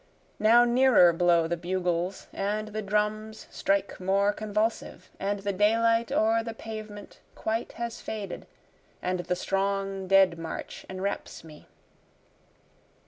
Now nearer blow the bugles, And the drums strike more convulsive, And the daylight o'er the pavement quite has faded, And the strong dead march enwraps me.